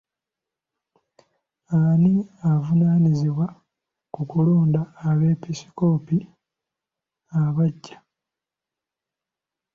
Ani avunaanyizibwa ku kulonda abeebiskoopi abaggya?